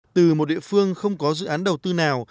từ một địa phương không có dự án đầu tư nào